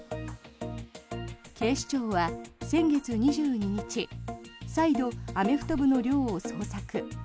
警視庁は先月２２日再度、アメフト部の寮を捜索。